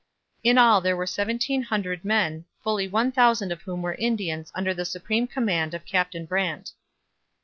In all there were seventeen hundred men, fully one thousand of whom were Indians under the supreme command of Captain Brant.